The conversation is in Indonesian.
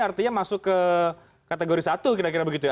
artinya masuk ke kategori satu kira kira begitu ya